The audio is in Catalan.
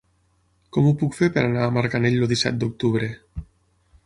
Com ho puc fer per anar a Marganell el disset d'octubre?